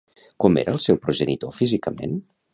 Com era el seu progenitor físicament?